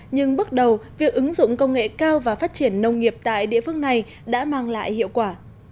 nhưng bước đầu việc ứng dụng công nghệ cao và phát triển nông nghiệp tại địa phương này đã mang lại hiệu quả